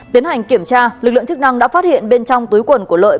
tiến hành kiểm tra lực lượng chức năng đã phát hiện bên trong túi quần của lợi